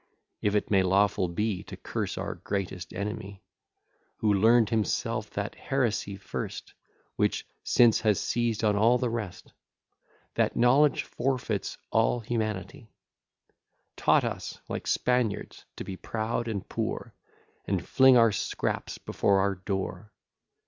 (If it may lawful be To curse our greatest enemy,) Who learn'd himself that heresy first, (Which since has seized on all the rest,) That knowledge forfeits all humanity; Taught us, like Spaniards, to be proud and poor, And fling our scraps before our door!